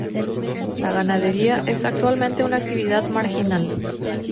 La ganadería es actualmente una actividad marginal.